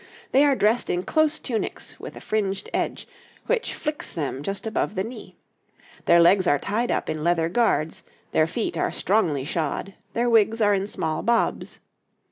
They are dressed in close tunics with a fringed edge, which flicks them just above the knee. Their legs are tied up in leather guards, their feet are strongly shod, their wigs are in small bobs.